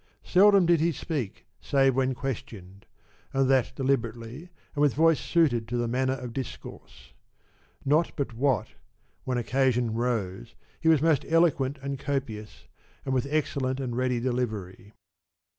Seldom did he speak save when questioned, and that deliberately and with voice suited to the matter of discourse ; not but what, when occasion rose, he was most eloquent and copious, and with excellent and ready delivery.